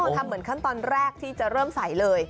ทำเหมือนขั้นตอนแรกที่จะเริ่มใส่เลย